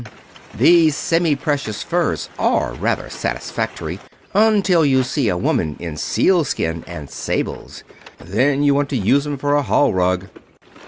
These semi precious furs are rather satisfactory until you see a woman in sealskin and sables. Then you want to use 'em for a hall rug."